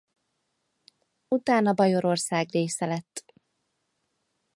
Utána Bajorország része lett.